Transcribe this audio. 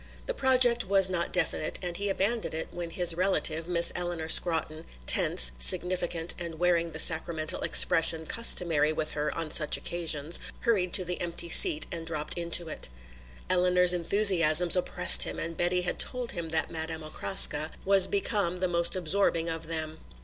The project was not definite and he abandoned it when his relative, Miss Eleanor Scrotton, tense, significant and wearing the sacramental expression customary with her on such occasions, hurried to the empty seat and dropped into it. Eleanor's enthusiasms oppressed him and Betty had told him that Madame Okraska was become the most absorbing of them.